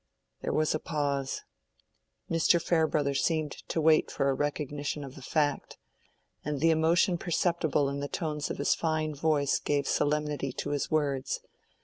There was a pause. Mr. Farebrother seemed to wait for a recognition of the fact; and the emotion perceptible in the tones of his fine voice gave solemnity to his words.